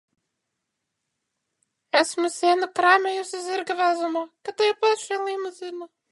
Esmu sienu krāmējusi zirga vezumā kā tajā pašā Limuzīnā.